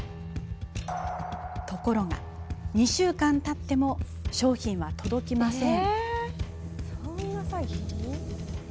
ところが、２週間たっても商品は届きません。